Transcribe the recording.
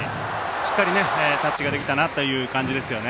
しっかり、タッチができたなっていう感じですよね。